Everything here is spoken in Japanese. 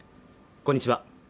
こんにちは